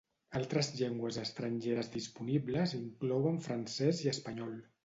Altres llengües estrangeres disponibles inclouen francès i espanyol.